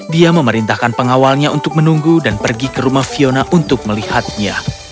dia memerintahkan pengawalnya untuk menunggu dan pergi ke rumah fiona untuk melihatnya